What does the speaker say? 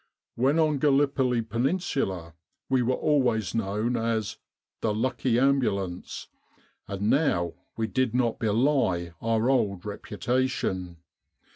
When on Gallipoli Peninsula, we were always known as 'the Lucky Ambulance,' and now we did not belie our old reputation.